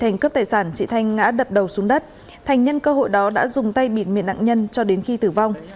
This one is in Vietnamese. nên cơ hội đó đã dùng tay bịt miệng nạn nhân cho đến khi tử vong